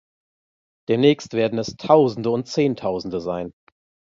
Demnächst werden es Tausende und Zehntausende sein.